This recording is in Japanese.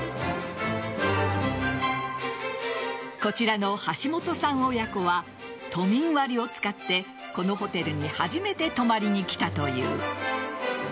こちらの橋本さん親子は都民割を使ってこのホテルに初めて泊まりに来たという。